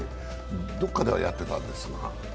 どこかではやってたんですが。